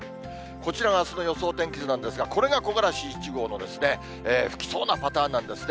こちらがあすの予想天気図なんですが、これが木枯らし１号の吹きそうなパターンなんですね。